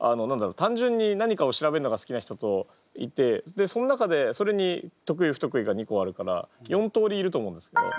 単純に何かを調べるのが好きな人といてでその中でそれに得意不得意が２個あるから４通りいると思うんですけど。